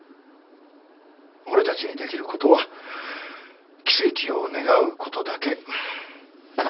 俺たちにできることは奇跡を願うことだけ。